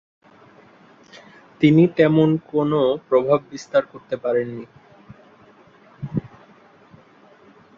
তিনি তেমন কোন প্রভাব বিস্তার করতে পারেননি।